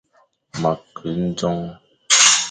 Ma ke ndjong.